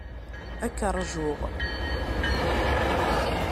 Ad k-ṛjuɣ.